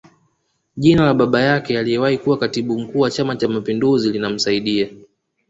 Jina la baba yake aliyewahi kuwa Katibu Mkuu wa Chama Cha mapinduzi linamsaidia